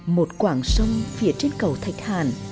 một quảng sông phía trên cầu thạch hàn